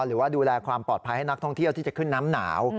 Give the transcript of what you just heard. หรือว่าดูแลความปลอดภัยให้นักท่องเที่ยวที่จะขึ้นน้ำหนาว